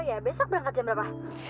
ya besok berangkat jam berapa